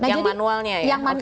yang manualnya ya